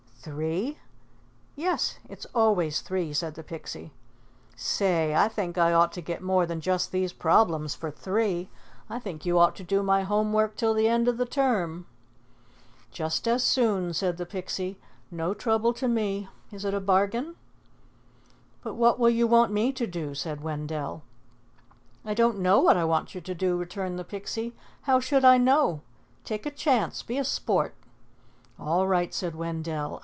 "Three?" "Yes, it's always three," said the Pixie. "Say, I think I ought to get more than just these problems for three. I think you ought to do my home work till the end of the term." "Just as soon," said the Pixie. "No trouble to me. Is it a bargain?" "But what will you want me to do?" said Wendell. "I don't know what I want you to do," returned the Pixie. "How should I know? Take a chance. Be a sport." "All right," said Wendell.